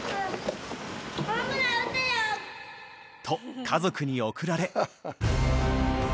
と家族に送られ。